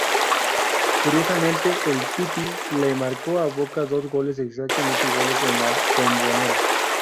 Curiosamente, el "Pity" le marcó a Boca dos goles exactamente iguales en La Bombonera.